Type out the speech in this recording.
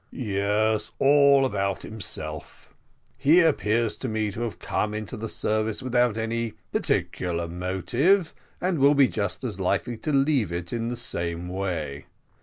"Yes, all about himself. He appears to me to have come into the service without any particular motive, and will be just as likely to leave it in the same way.